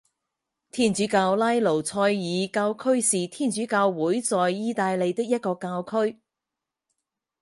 天主教拉努塞伊教区是天主教会在义大利的一个教区。